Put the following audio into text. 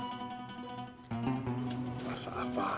gatoh kok bersudahnya